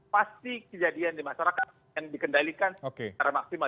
pasti kejadian di masyarakat yang dikendalikan secara maksimal